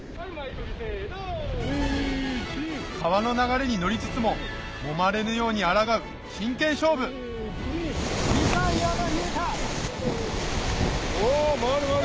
川の流れに乗りつつももまれぬようにあらがう真剣勝負回る回る。